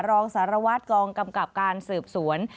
รองสารวัตรกองกำกับการสืบสวน